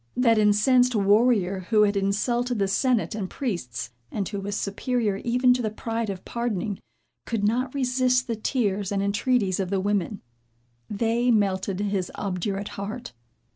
That incensed warrior who had insulted the senate and priests, and who was superior even to the pride of pardoning, could not resist the tears and entreaties of the women. They melted his obdurate heart.